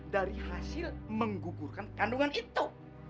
dari hasil menggugurkan kandungan itu